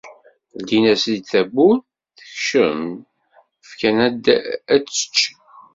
Ldin-as-id tawwurt, tekcem, fkan-ad ad tečč.